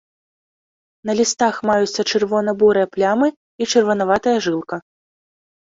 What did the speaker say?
На лістах маюцца чырвона-бурыя плямы і чырванаватая жылка.